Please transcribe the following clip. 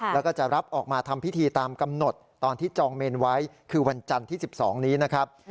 แล้วก็จะรับออกมาทำพิธีตามกำหนดตอนที่จองเมนไว้คือวันจันทร์ที่๑๒นี้นะครับ